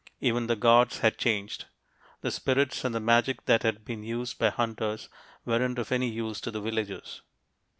Even the gods had changed. The spirits and the magic that had been used by hunters weren't of any use to the villagers.